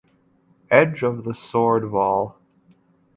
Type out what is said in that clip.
Edge of the Sword Vol.